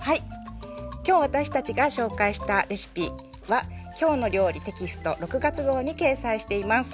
今日私たちが紹介したレシピは「きょうの料理」テキスト６月号に掲載しています。